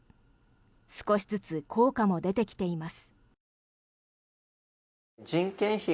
少しずつ効果も出てきています。